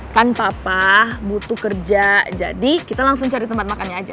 kan papa butuh kerja jadi kita langsung cari tempat makannya aja